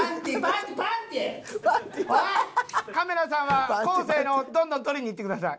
カメラさんは昴生の方をどんどん撮りに行ってください。